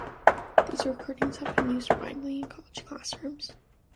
These recordings have been used widely in college classrooms.